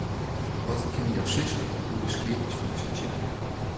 Wat kinne jo sizze oer de skiednis fan dizze tsjerke?